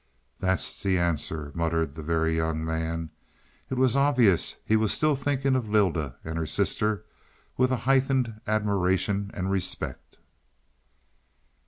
"That's the answer," muttered the Very Young Man. It was obvious he was still thinking of Lylda and her sister and with a heightened admiration and respect.